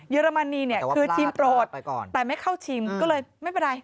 อรมนีเนี่ยคือทีมโปรดแต่ไม่เข้าชิงก็เลยไม่เป็นไร